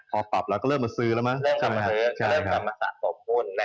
พอปรับแล้วก็เริ่มมาซื้อแล้วมั้ยเริ่มมาซื้อแล้วมาตรับอุ้น